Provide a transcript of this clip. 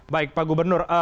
baik pak gubernur